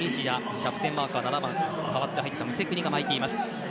キャプテンマークは７番、代わって入ったムセクニが巻いています。